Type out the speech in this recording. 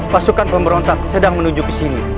pasukan pemberontak sedang menuju ke sini